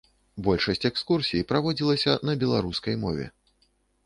Большасць экскурсій праводзілася на беларускай мове.